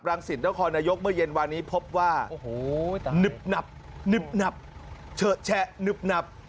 รังศิษย์ตะวันคลนายกเมื่อเย็นวันนี้พบว่านึบนับเฉอะแชะนึบนับ